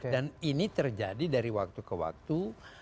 dan ini terjadi dari waktu ke waktu